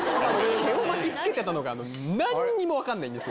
毛をつけてたのが、なんにも分かんないんですよ。